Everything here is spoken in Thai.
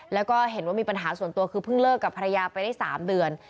แล้วก็เห็นว่ามีปัญหาส่วนตัวคือเพิ่งเลิกกับภรรยาไปได้๓เดือน